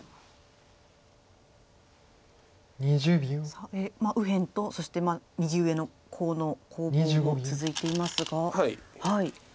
さあ右辺とそして右上のコウの攻防も続いていますが。